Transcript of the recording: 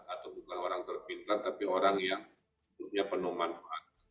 atau bukan orang terpintar tapi orang yang punya penuh manfaat